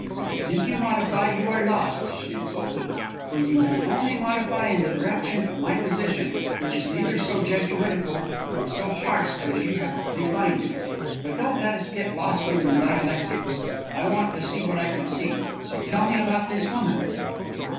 "And if you modify, you are lost!" she exulted. "For you can only modify in the direction of my position, which is neither so Jesuitical nor so harsh as you have defined it. But don't let us get lost in dialectics. I want to see what I can see, so tell me about this woman."